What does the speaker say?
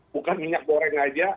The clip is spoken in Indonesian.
bukan minyak goreng saja